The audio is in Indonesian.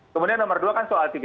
kemudian nomor dua kan soal tiga